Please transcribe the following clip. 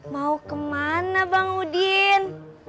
mau kemana bang udin